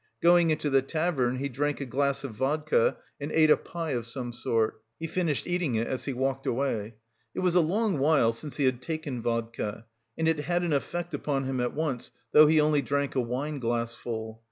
Going into the tavern he drank a glass of vodka and ate a pie of some sort. He finished eating it as he walked away. It was a long while since he had taken vodka and it had an effect upon him at once, though he only drank a wineglassful.